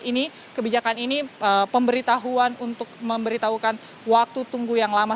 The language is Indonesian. ini kebijakan ini pemberitahuan untuk memberitahukan waktu tunggu yang lama